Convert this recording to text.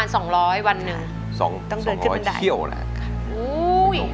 ขอบคุณครับ